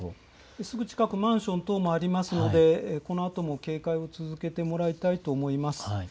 すぐ近く、マンション等もありますので、このあとも警戒を続けてもらいたいと思います。